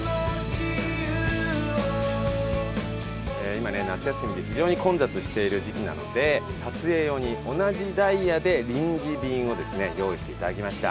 今ね夏休みで非常に混雑している時期なので撮影用に同じダイヤで臨時便をですね用意して頂きました。